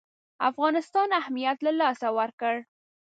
افغانستان اهمیت له لاسه ورکړ.